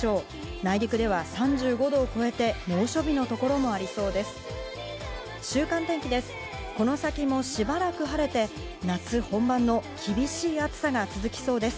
内陸では３５度を超えて猛暑日のところもありそうです。